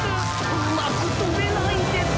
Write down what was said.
うまく飛べないです。